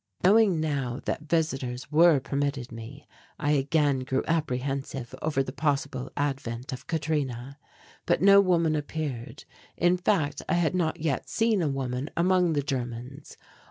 Knowing now that visitors were permitted me, I again grew apprehensive over the possible advent of Katrina. But no woman appeared, in fact I had not yet seen a woman among the Germans.